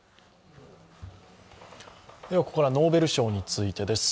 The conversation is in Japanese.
ここからノーベル賞についてです。